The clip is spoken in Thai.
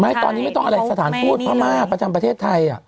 ไม่ตอนนี้ไม่ต้องสถานพูดพระม่าประจำประเทศไทย